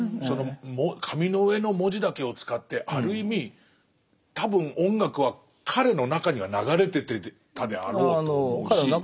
その紙の上の文字だけを使ってある意味多分音楽は彼の中には流れてたであろうと思うし。